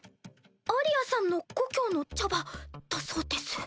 アリヤさんの故郷の茶葉だそうです。